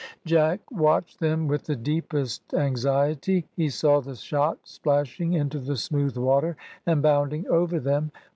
Jack watched them with the deepest anxiety; he saw the shot splashing into the smooth water and bounding over them.